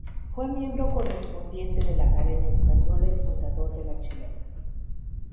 Fue miembro correspondiente de la Academia Española y fundador de la chilena.